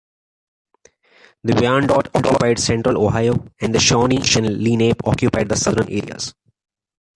The Wyandot occupied central Ohio, and the Shawnee and Lenape occupied the southern areas.